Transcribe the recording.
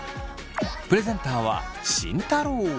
プレゼンターは慎太郎。